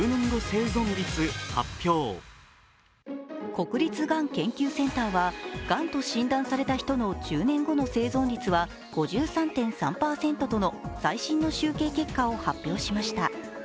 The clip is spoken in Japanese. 国立がん研究センターはがんと診断された人の１０年後の生存率は５３．３％との最新の集計結果を発表しました。